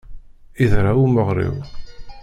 Iḍṛa umeɣṛiw.